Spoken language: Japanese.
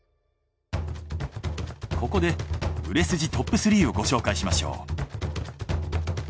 ここで売れ筋トップ３をご紹介しましょう。